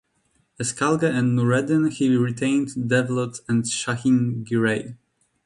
As kalga and nureddin he retained Devlet and Shahin Giray.